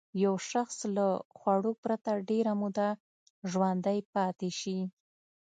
یو شخص له خوړو پرته ډېره موده ژوندی پاتې شي.